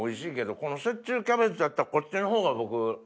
この雪中キャベツやったらこっちのほうが僕。